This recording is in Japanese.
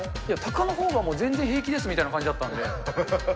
いや、たかのほうが全然平気です、みたいな感じだったんで。